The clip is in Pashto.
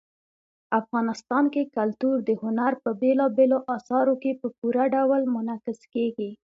افغانستان کې کلتور د هنر په بېلابېلو اثارو کې په پوره ډول منعکس کېږي.